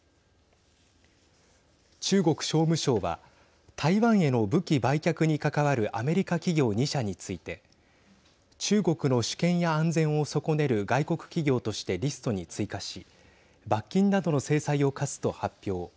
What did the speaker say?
中国商務省は台湾への武器売却に関わるアメリカ企業２社について中国の主権や安全を損ねる外国企業としてリストに追加し罰金などの制裁を科すと発表。